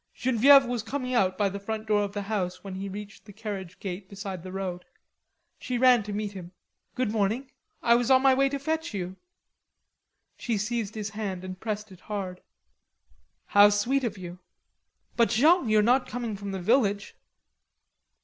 Genevieve was coming out by the front door of the house when he reached the carriage gate beside the road. She ran to meet him. "Good morning. I was on my way to fetch you." She seized his hand and pressed it hard. "How sweet of you!" "But, Jean, you're not coming from the village."